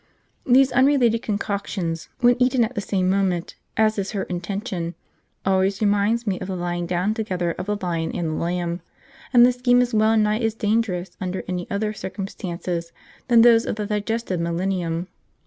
These unrelated concoctions, when eaten at the same moment, as is her intention, always remind me of the lying down together of the lion and the lamb, and the scheme is well nigh as dangerous, under any other circumstances than those of the digestive millennium.